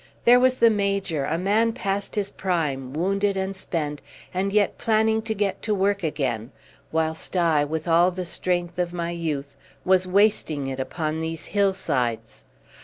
There was the Major, a man past his prime, wounded and spent, and yet planning to get to work again, whilst I, with all the strength of my youth, was wasting it upon these hillsides.